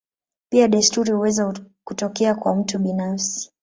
Pia desturi huweza kutokea kwa mtu binafsi.